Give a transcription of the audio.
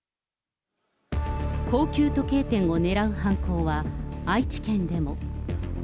高級時計店を狙う犯行は、愛知県でも。